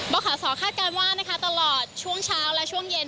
บ้าข่าวสอคาดการณ์ว่าตลอดช่วงเช้าและช่วงเย็น